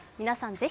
皆さん